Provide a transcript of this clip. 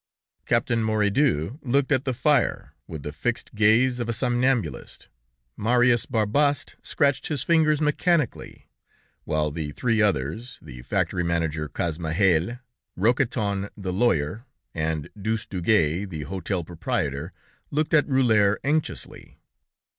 Captain Mouredus looked at the fire, with the fixed gaze of a somnambulist, Marius Barbaste scratched his fingers mechanically, while the three others, the factory manager, Casemajel, Roquetton, the lawyer, and Dustugue, the hotel proprietor, looked at Rulhière anxiously.